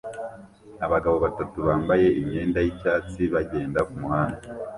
Abagabo batatu bambaye imyenda yicyatsi bagenda kumuhanda